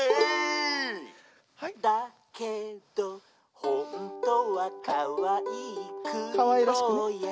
「だけどほんとはかわいいくりぼうや」